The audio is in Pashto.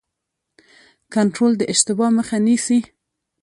کنټرول د اشتباه مخه نیسي